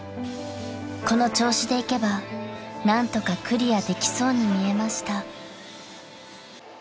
［この調子でいけば何とかクリアできそうに見えました］